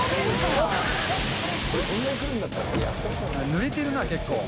ぬれてるな、結構。